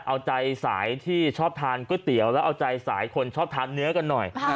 เอาใจสายที่ชอบทานก๋วยเตี๋ยวแล้วเอาใจสายคนชอบทานเนื้อกันหน่อย